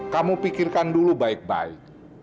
kamu pikirkan dulu baik baik